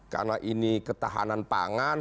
karena ini ketahanan pangan